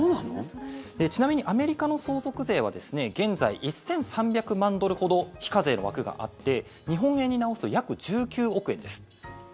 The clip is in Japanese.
ちなみにアメリカの相続税は現在、１３００万ドルほど非課税の枠があって日本円に直すと約１９億円です。